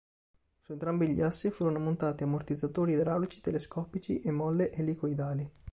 Su entrambi gli assi furono montati ammortizzatori idraulici telescopici e molle elicoidali.